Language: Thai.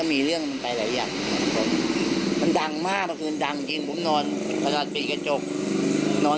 เมื่อนบ้างก็ยืนยันว่ามันเป็นแบบนั้นจริง